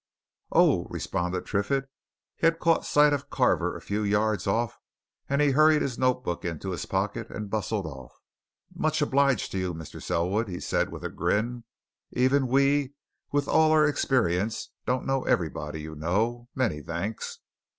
"Oh!" responded Triffitt. He had caught sight of Carver a few yards off, and he hurried his notebook into his pocket, and bustled off. "Much obliged to you, Mr. Selwood," he said with a grin. "Even we with all our experience, don't know everybody, you know many thanks."